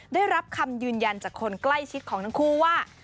ได้รับคำยืนยันจากคนใกล้ชิดของทั้งคู่ว่า